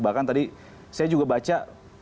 bahkan tadi saya juga baca